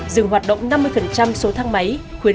dừng hoạt động năm mươi số thang máy